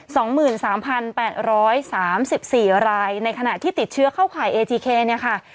สองหมื่นสามพันแปดร้อยสามสิบสี่รายในขณะที่ติดเชื้อเข้าข่ายเอจีเคเนี่ยค่ะ